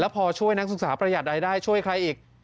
พอช่วยนักศึกษาประหยัดรายได้ช่วยใครอีก